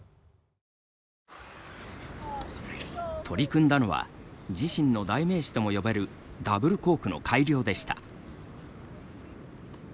取り組んだのは自身の代名詞とも呼べるダブルコークの改良でした。